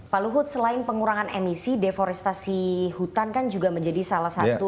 pak luhut selain pengurangan emisi deforestasi hutan kan juga menjadi sebuah hal yang sangat penting